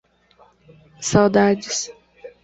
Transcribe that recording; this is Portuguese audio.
Saudades